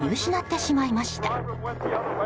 見失ってしまいました。